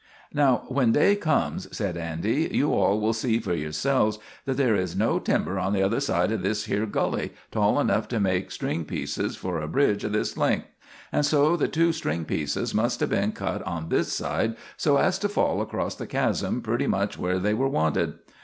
"Now when day comes," said Andy, "you all will see for yourselves that there is no timber on the other side o' this here gully tall enough to make string pieces for a bridge of this length, and so the two string pieces must have been cut on this side so as to fall across the chasm pretty much where they were wanted.